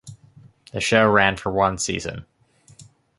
The show ran for one season.